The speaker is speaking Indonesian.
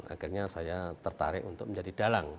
akhirnya saya tertarik untuk menjadi dalang